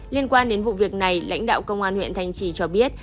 liên quan đến vụ việc này lãnh đạo công an huyện thanh trì cho biết